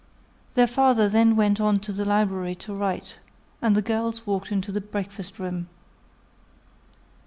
Their father then went to the library to write, and the girls walked into the breakfast room.